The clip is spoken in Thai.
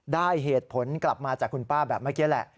ได้เหตุผลกลับมาจากคุณป้าแบบเมื่อกี้แหละ